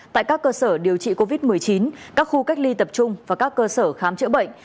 tại các cơ sở điều trị covid một mươi chín các khu cách ly tập trung và các cơ sở khám chữa bệnh